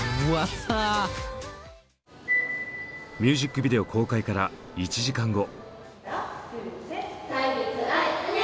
ミュージックビデオ公開から１時間後。